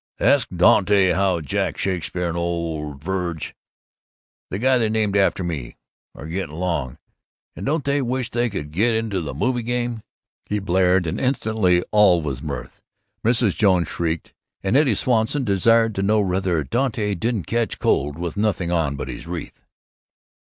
"Ask Dant' how Jack Shakespeare and old Verg' the guy they named after me are gettin' along, and don't they wish they could get into the movie game!" he blared, and instantly all was mirth. Mrs. Jones shrieked, and Eddie Swanson desired to know whether Dante didn't catch cold with nothing on but his wreath.